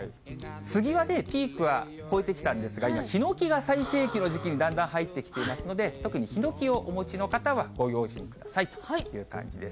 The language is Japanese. スギはね、ピークは超えてきたんですが、今、ヒノキが最盛期の時期にだんだん入ってきていますので、特にヒノキをお持ちの方はご用心くださいという感じです。